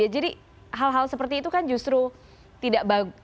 jadi hal hal seperti itu kan justru tidak bagus